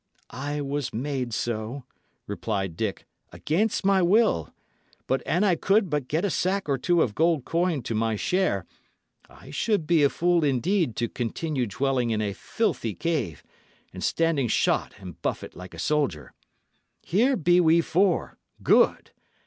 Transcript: "I was made so," replied Dick, "against my will; but an I could but get a sack or two of gold coin to my share, I should be a fool indeed to continue dwelling in a filthy cave, and standing shot and buffet like a soldier. Here be we four; good!